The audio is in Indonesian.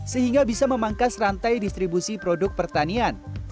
sehingga bisa memangkas rantai distribusi produk pertanian